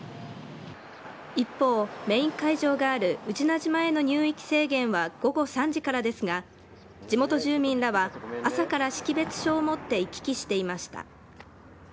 一方、メイン会場がある宇品島への入域制限は、午後３時からですが、地元住民らは朝から識別証を持って行き来していました。